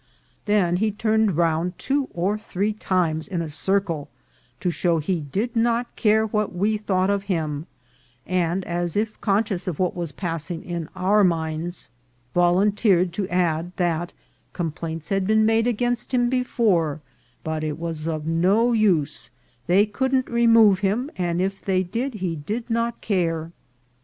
Then he turned round two or three times in a circle, to show he did not care what we thought of him ; and, as if conscious of what was passing in our minds, volunteered to add that complaints had been made against him before, but it was of no use ; they couldn't remove him, and if they did he didn't care.